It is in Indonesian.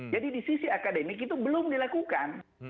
jadi di sisi akademik itu belum dilakukan